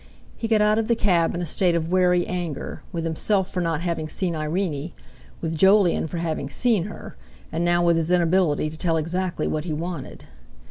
He got out of the cab in a state of wary anger—with himself for not having seen Irene, with Jolyon for having seen her; and now with his inability to tell exactly what he wanted.